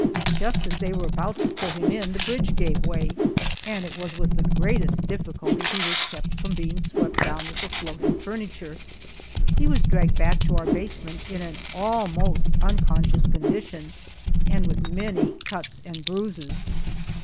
Just as they were about to pull him in the bridge gave way, and it was with the greatest difficulty he was kept from being swept down with the floating furniture. He was dragged back to our basement in an almost unconscious condition, and with many cuts and bruises.